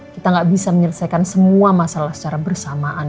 kita nggak bisa menyelesaikan semua masalah secara bersamaan